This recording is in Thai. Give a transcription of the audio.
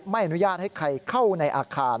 ไม่อนุญาตให้ใครเข้าในอาคาร